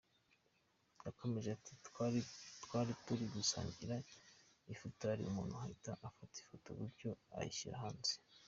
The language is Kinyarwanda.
Yakomeje ati “Twari turi gusangira ifutari, umuntu ahita afata ifoto gutyo ayishyira hanze.